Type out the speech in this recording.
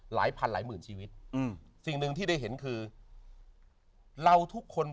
หลายพันหลายหมื่นชีวิตอืมสิ่งหนึ่งที่ได้เห็นคือเราทุกคน